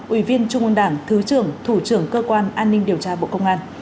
ủy viên trung ương đảng thứ trưởng thủ trưởng cơ quan an ninh điều tra bộ công an